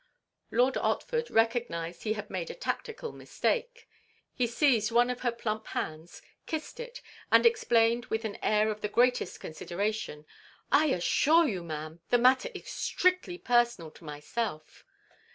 Lord Otford recognised he had made a tactical mistake. He seized one of her plump hands, kissed it, and explained with an air of the greatest consideration, "I assure you, Ma'am, the matter is strictly personal to myself."